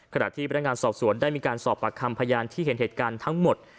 ขณะที่พนักงานสอบสวนได้มีการสอบปากคำพยานที่เห็นเหตุการณ์ทั้งหมด